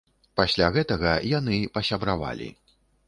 Пасля гэтага яны пасябравалі.